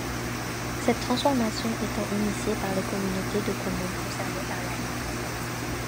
Cette transformation étant initiée par les communautés de communes concernées par la ligne.